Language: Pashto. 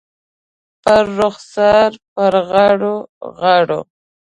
پر رخسار، پر غاړو ، غاړو